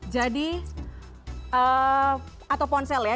jadi atau ponsel ya